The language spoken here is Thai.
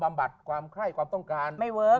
บัดความไข้ความต้องการไม่เวิร์ค